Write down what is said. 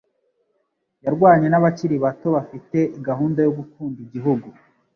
yarwanye nabakiri bato bafite gahunda yo gukunda igihugu